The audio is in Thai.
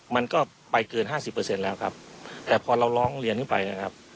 มันก็ไปเกิน๕๐แล้วครับแต่พอเราร้องเรียนขึ้นไปนะครับ